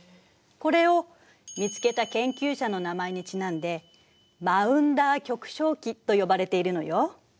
これを見つけた研究者の名前にちなんでマウンダー極小期と呼ばれているのよ。